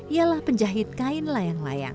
ialah penjahit kain layang layang